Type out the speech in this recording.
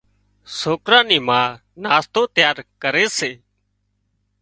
سوڪران نِي ما ناشتو تيار ڪري سي۔